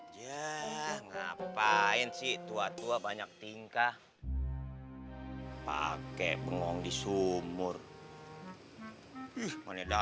ya melek apa brand